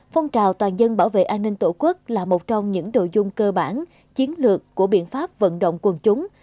phong trào toàn dân bảo vệ an ninh tổ quốc là một trong những nội dung cơ bản chiến lược của biện pháp vận động quần chúng